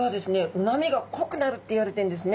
うまみがこくなるっていわれてるんですね。